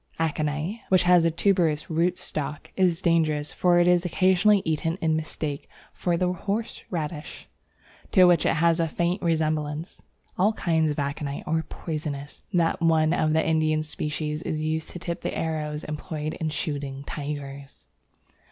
Aconite, which has a tuberous root stock, is dangerous, for it is occasionally eaten in mistake for the horse radish, to which it has a faint resemblance. All kinds of aconite are poisonous. That of one of the Indian species is used to tip the arrows employed in shooting tigers.